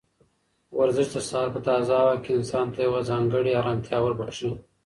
ورزش د سهار په تازه هوا کې انسان ته یوه ځانګړې ارامتیا وربښي.